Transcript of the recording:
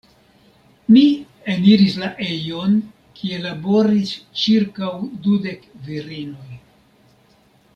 Mi eniris la ejon, kie laboris ĉirkaŭ dudek virinoj.